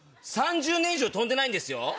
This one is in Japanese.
３０年以上飛んでないんですよ？